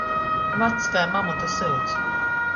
Vacs kai mamuta syuds.